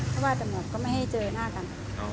ถ้าว่าจะหมดก็ไม่ให้เจอหน้ากัน